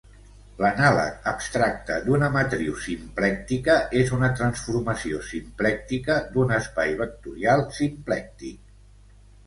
L'anàleg abstracte d'una matriu simplèctica és una transformació simplèctica d'un espai vectorial simplèctic.